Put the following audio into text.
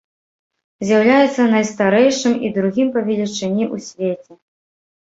З'яўляецца найстарэйшым і другім па велічыні ў свеце.